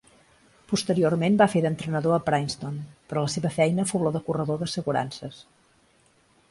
Posteriorment va fer d'entrenador a Princeton, però la seva feina fou la de corredor d'assegurances.